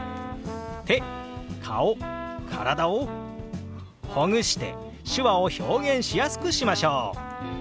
手顔体をほぐして手話を表現しやすくしましょう！